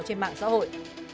trên mạng xã hội